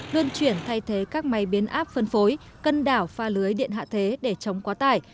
luân chuyển thay thế các máy biến áp phân phối cân đảo pha lưới điện hạ thế để chống quá tải